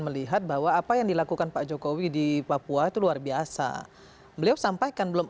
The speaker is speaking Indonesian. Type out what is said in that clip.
melihat bahwa apa yang dilakukan pak jokowi di papua itu luar biasa beliau sampaikan belum